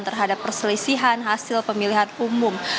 terhadap perselisihan hasil pemilihan umum